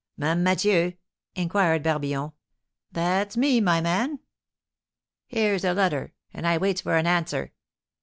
"Ma'am Mathieu?" inquired Barbillon. "That's me, my man." "Here's a letter, and I waits for an answer."